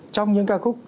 trong những ca khúc